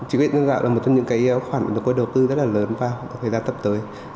chính vì thế là là một trong những cái khoản mà chúng tôi đầu tư rất là lớn vào thời gian tập tới